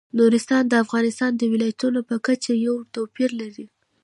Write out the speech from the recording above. نورستان د افغانستان د ولایاتو په کچه یو توپیر لري.